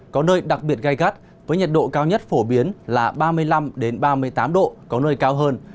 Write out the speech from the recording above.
có nơi đặc biệt gai gắt với nhiệt độ cao nhất phổ biến là ba mươi năm ba mươi tám độ có nơi cao hơn